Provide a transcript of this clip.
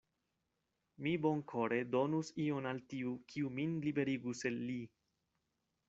Mi bonkore donus ion al tiu, kiu min liberigus el li.